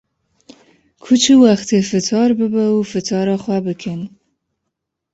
ku çi wextê fitar bibe û fitara xwe bikin.